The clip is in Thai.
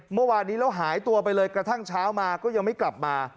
เมื่อวานนี้แล้วหายตัวไปเลยกระทั่งเช้ามาก็ยังไม่กลับมา